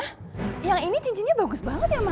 eh ma yang ini cincinnya bagus banget ya ma